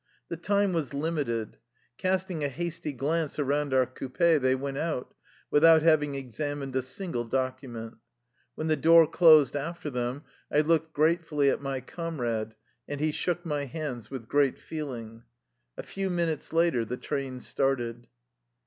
The time was limited. Casting a hasty glance around our coupe they went out, without having examined a single document. When the door closed after them, I looked grate fully at my comrade, and he shook my hands with great feeling. A few minutes later the train started.